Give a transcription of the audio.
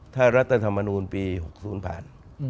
ถ้ารัฐธรรมนูลปี๖๐ผ่าน